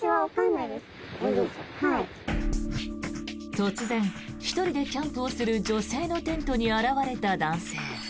突然、１人でキャンプをする女性のテントに現れた男性。